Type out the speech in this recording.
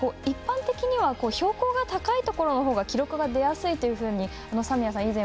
一般的には標高が高いところのほうが記録が出やすいというふうに三宮さん